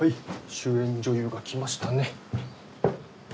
主演女優が来ましたね。